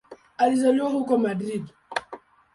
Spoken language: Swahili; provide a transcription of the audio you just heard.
Alizaliwa huko Madrid.